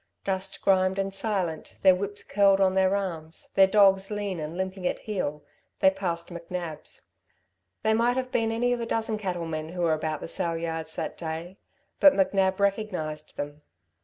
Dust grimed and silent, their whips curled on their arms, their dogs lean and limping at heel, they passed McNab's. They might have been any of a dozen cattle men who were about the sale yards that day; but McNab recognised them.